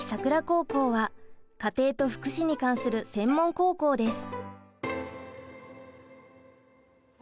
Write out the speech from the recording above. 高校は家庭と福祉に関する専門高校です。